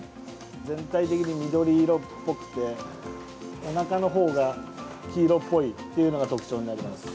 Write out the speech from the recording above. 全体的に緑色っぽくておなかのほうが黄色っぽいというのが特徴になります。